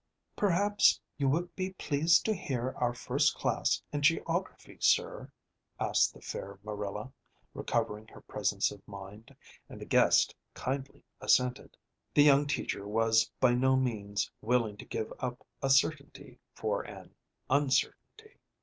"Perhaps you would be pleased to hear our first class in geography, sir?" asked the fair Marilla, recovering her presence of mind; and the guest kindly assented. The young teacher was by no means willing to give up a certainty for an uncertainty.